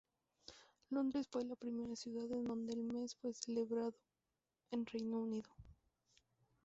Londres fue la primera ciudad en donde el mes fue celebrado en Reino Unido.